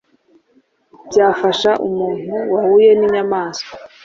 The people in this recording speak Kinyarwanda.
byafasha umuntu wahuye n’inyamaswa